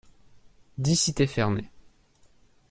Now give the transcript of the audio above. dix cité Fernet